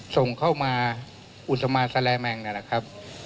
ส่งเข้ามาอุตสมานสแหลแมงนั่นนะครับ